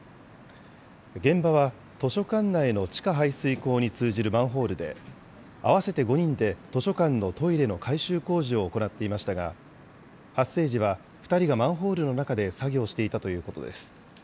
現場は図書館内の地下排水溝に通じるマンホールで、合わせて５人で図書館のトイレの改修工事を行っていましたが、発生時は２人がマンホールの中で作業をしていたということです。